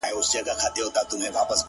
زما و فكر ته هـا سـتا د كور كوڅـه راځي.!